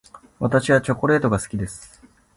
私はチョコレートが好きです。